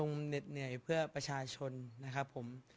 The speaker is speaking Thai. ว่าองค์ท่านก็ส่งเหน่อเพื่อประชาชนนะครับผม